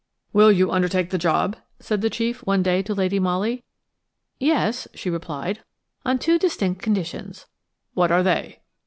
"Will you undertake the job?" said the chief one day to Lady Molly. "Yes," she replied, "on two distinct conditions." "What are they?"